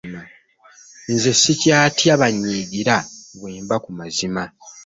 Nze ssikyatya bannyiigira bwe mba ku mazima.